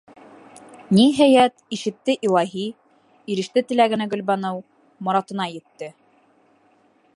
Ниһәйәт, ишетте илаһи, иреште теләгенә Гөлбаныу, моратына етте!